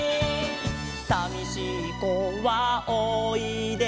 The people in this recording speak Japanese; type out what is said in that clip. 「さみしい子はおいで」